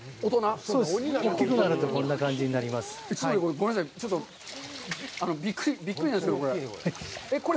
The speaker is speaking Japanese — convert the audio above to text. ごめんなさい、ちょっとびっくりなんですけど、これ。